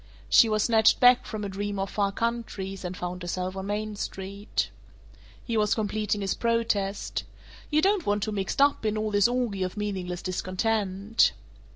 She was snatched back from a dream of far countries, and found herself on Main Street. He was completing his protest, "You don't want to be mixed up in all this orgy of meaningless discontent?"